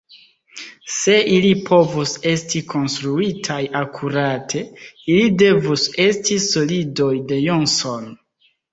Se ili povus esti konstruitaj akurate, ili devus esti "solidoj de Johnson".